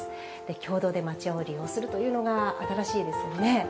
共同で町家を利用するというのが新しいですよね。